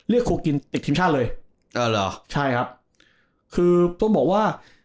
ครูกินติดทีมชาติเลยเออเหรอใช่ครับคือต้องบอกว่า